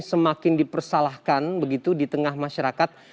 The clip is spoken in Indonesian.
semakin dipersalahkan begitu di tengah masyarakat